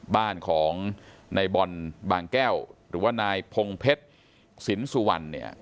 บ้านของนายบอลบางแก้วหรือว่านายพงเพชรสินสุวรรณเนี่ย